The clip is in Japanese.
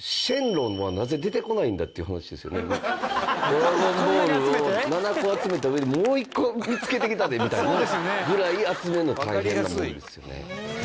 ドラゴンボールを７個集めたうえでもう１個、見付けてきたでみたいなぐらい集めるの大変なもんですよね。